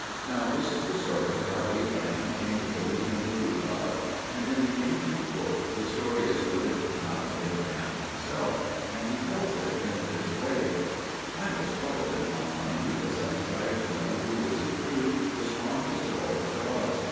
Now this is the story of how Abraham came to believe in the true God; and in the ancient book the story is put into the mouth of Abraham himself, and he tells it in this way: I was troubled in my mind because I desired to know who was in truth the strongest of all the Gods.